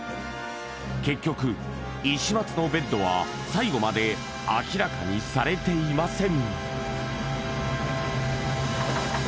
結局石松のベッドは最後まで明らかにされていません